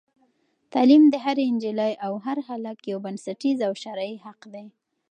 تعلیم د هرې نجلۍ او هر هلک یو بنسټیز او شرعي حق دی.